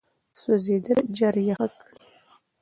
سوځېدنه ژر یخه کړئ.